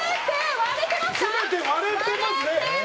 全て割れてますね！